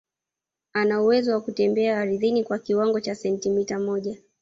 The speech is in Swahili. anauwezo wa kutembea ardhini kwa kiwango cha sentimita moja